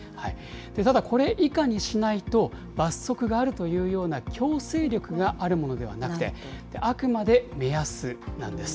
ただ、これ以下にしないと、罰則があるというような強制力があるものではなくて、あくまで目安なんです。